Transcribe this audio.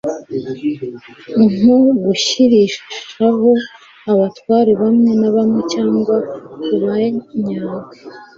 nko gushyirishaho abatware bamwe na bamwe cyangwa kubanyaga